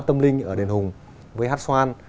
tâm linh ở đền hùng với hát xoan